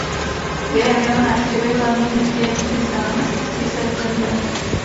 Během jeho návštěvy v hlavním městě Byzance císař zemřel.